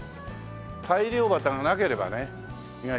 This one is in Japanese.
大漁旗がなければね意外とわからない。